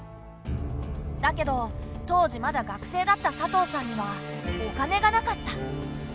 だけど当時まだ学生だった佐藤さんにはお金がなかった。